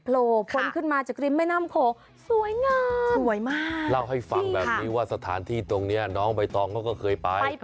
เล่าให้ฟังแบบนี้ว่าสถานที่ตรงนี้น้องใบต้องเขาก็เคยไป